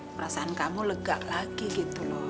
perasaan kamu lega lagi gitu loh